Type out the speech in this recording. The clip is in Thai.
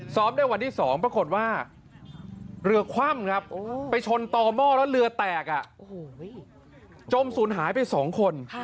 ได้วันที่๒ปรากฏว่าเรือคว่ำครับไปชนต่อหม้อแล้วเรือแตกจมสูญหายไป๒คน